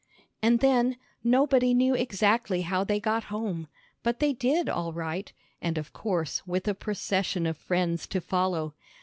And then, nobody knew exactly how they got home. But they did all right, and, of course, with a procession of friends to follow.